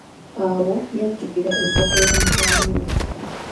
Awo yajjukila enkoko ya mutabani we.